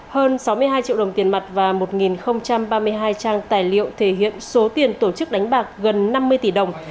hơn sáu mươi hai triệu đồng tiền mặt và một ba mươi hai trang tài liệu thể hiện số tiền tổ chức đánh bạc gần năm mươi tỷ đồng